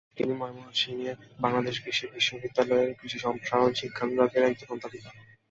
তিনি ময়মনসিংহের বাংলাদেশ কৃষি বিশ্ববিদ্যালয়ের কৃষি সম্প্রসারণ শিক্ষা বিভাগের একজন অধ্যাপিকা।